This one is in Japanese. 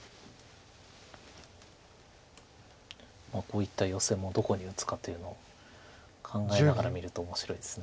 こういったヨセもどこに打つかというのを考えながら見ると面白いです。